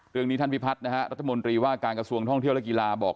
เรื่องนี้ท่านพิพัฒน์นะฮะรัฐมนตรีว่าการกระทรวงท่องเที่ยวและกีฬาบอก